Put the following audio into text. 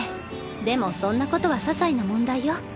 でもそんなことはささいな問題よ。